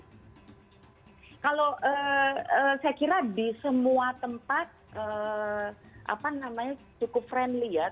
kalau saya kira di semua tempat cukup friendly ya